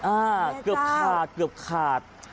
อ้าวจริง